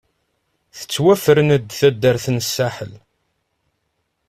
Tettwafren-d taddart n Saḥel.